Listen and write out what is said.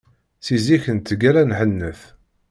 Si zik nettgalla nḥennet.